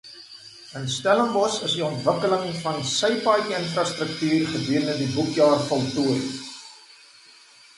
In Stellenbosch is die ontwikkeling van sypaadjie-infrastruktuur gedurende die boekjaar voltooi.